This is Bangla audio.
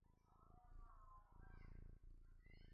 তা হলে টেলিগ্রাফ করে হুকুম আনাই– রাত অনেক হল।